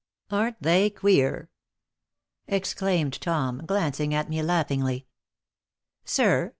"Aren't they queer?" exclaimed Tom, glancing at me, laughingly. "Sir?"